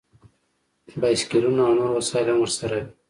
بایسکلونه او نور وسایل هم ورسره وي